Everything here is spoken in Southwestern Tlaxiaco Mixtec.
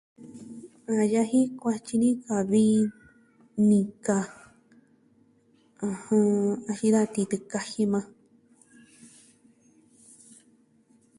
A yaji kuatyi ni ka vi nika, ɨjɨn, jin da titɨ kajin yukuan.